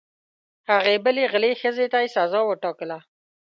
هغې بلې غلې ښځې ته یې سزا وټاکله.